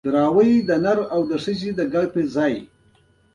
یو څه مي لیکلای شوای.